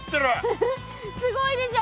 フフすごいでしょ。